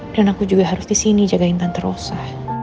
dan aku juga harus disini jagain tante rosa